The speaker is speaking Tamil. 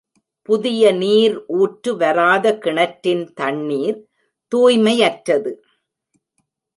புதிய நீர் ஊற்று வராத கிணற்றின் தண்ணிர் தூய்மையற்றது.